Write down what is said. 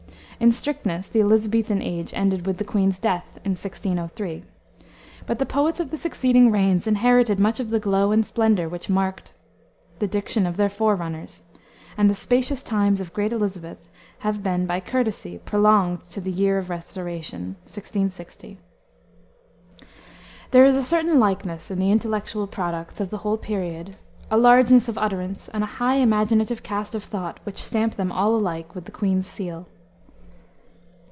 In strictness the Elisabethan age ended with the queen's death, in 1603. But the poets of the succeeding reigns inherited much of the glow and splendor which marked the diction of their forerunners; and "the spacious times of great Elisabeth" have been, by courtesy, prolonged to the year of the Restoration (1660). There is a certain likeness in the intellectual products of the whole period, a largeness of utterance, and a high imaginative cast of thought which stamp them all alike with the queen's seal.